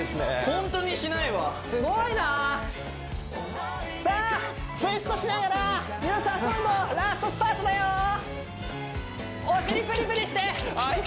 ホントにしないわすごいなさあツイストしながら有酸素運動ラストスパートだよお尻ぷりぷりして！